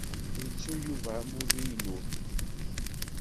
Ittu Yuba amulli-inu.